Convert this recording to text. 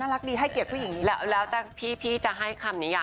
น่ารักดีให้เกรียดผู้หญิงนี้